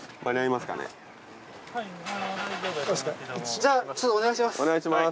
じゃあちょっとお願いします。